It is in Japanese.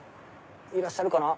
いらっしゃるかな？